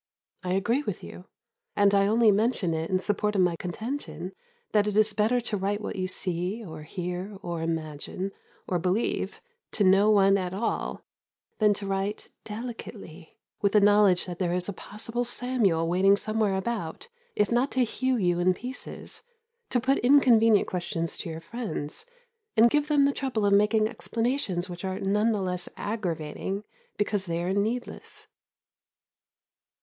I agree with you, and I only mention it in support of my contention that it is better to write what you see, or hear, or imagine, or believe, to no one at all, than to write "delicately," with the knowledge that there is a possible Samuel waiting somewhere about, if not to hew you in pieces, to put inconvenient questions to your friends, and give them the trouble of making explanations which are none the less aggravating because they are needless.